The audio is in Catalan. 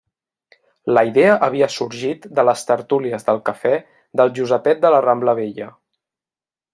La idea havia sorgit de les tertúlies del Cafè del Josepet de la Rambla Vella.